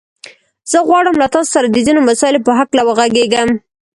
زه غواړم له تاسو سره د ځينو مسايلو په هکله وغږېږم.